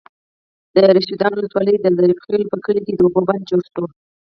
د رشيدانو ولسوالۍ، د ظریف خېلو په کلي کې د اوبو بند جوړ شو.